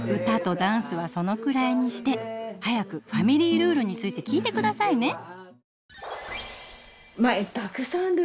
歌とダンスはそのくらいにして早くファミリールールについて聞いてくださいね。